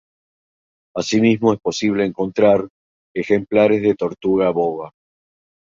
Asimismo es posible encontrar ejemplares de tortuga boba.